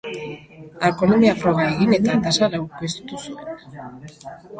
Alkoholemia froga egin eta tasa laukoiztu zuen.